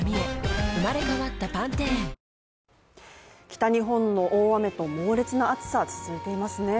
北日本の大雨と猛烈な暑さ、続いていますね。